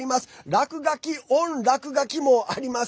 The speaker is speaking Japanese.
落書きオン落書きもあります。